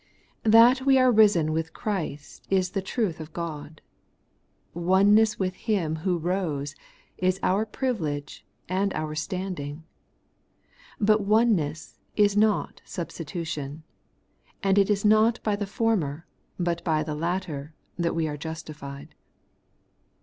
That we are risen with Christ is the truth of God. Oneness with Him who rose is our privilege and our standing. But oneness is not substitution ; and it is not by the former, but by the latter, that we are justified.